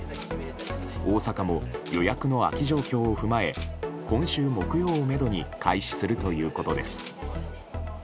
大阪も予約の空き状況を踏まえ今週木曜をめどに開始するということです。